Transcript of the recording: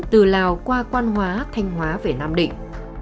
từ lào qua quan hóa thanh hóa về nam định